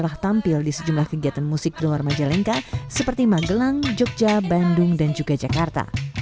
telah tampil di sejumlah kegiatan musik di luar majalengka seperti magelang jogja bandung dan juga jakarta